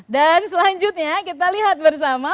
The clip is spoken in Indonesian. dan selanjutnya kita lihat bersama